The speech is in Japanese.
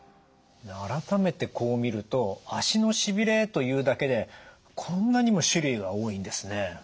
改めてこう見ると足のしびれというだけでこんなにも種類が多いんですね。